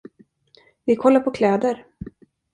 Vi kollar på kläder.